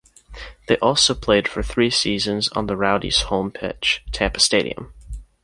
They also played for three seasons on the Rowdies' home pitch, Tampa Stadium.